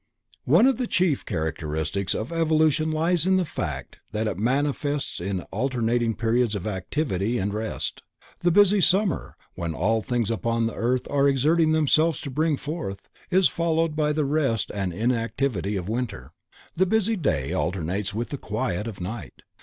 One of the chief characteristics of evolution lies in the fact that it manifests in alternating periods of activity and rest. The busy summer, when all things upon earth are exerting themselves to bring forth, is followed by the rest and inactivity of winter. The busy day alternates with the quiet of night.